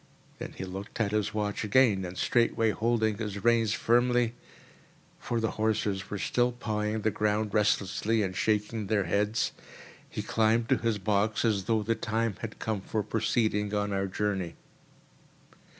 Then he looked at his watch again, and, straightway holding his reins firmly—for the horses were still pawing the ground restlessly and shaking their heads—he climbed to his box as though the time had come for proceeding on our journey.